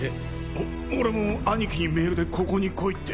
お俺も兄貴にメールでここに来いって。